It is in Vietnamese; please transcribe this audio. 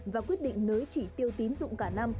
và quyết định nới chỉ tiêu tín dụng cả năm